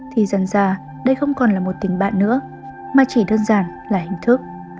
thì dần ra đây không còn là một tình bạn nữa mà chỉ đơn giản là hình thức